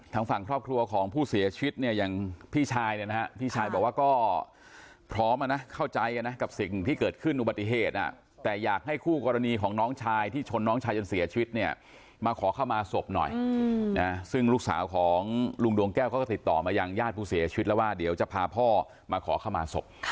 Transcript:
ทางฝั่งครอบครัวของผู้เสียชีวิตเนี่ยอย่างพี่ชายเนี่ยนะฮะพี่ชายบอกว่าก็พร้อมอ่ะนะเข้าใจนะกับสิ่งที่เกิดขึ้นอุบัติเหตุแต่อยากให้คู่กรณีของน้องชายที่ชนน้องชายจนเสียชีวิตเนี่ยมาขอเข้ามาศพหน่อยนะซึ่งลูกสาวของลุงดวงแก้วเขาก็ติดต่อมายังญาติผู้เสียชีวิตแล้วว่าเดี๋ยวจะพาพ่อมาขอเข้ามาศพ